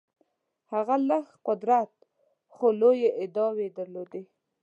هغه لږ قدرت خو لویې ادعاوې درلودلې.